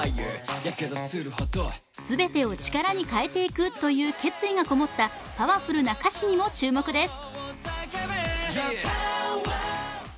すべてをちからにかえていくという決意がこもったパワフルな歌詞にも注目です。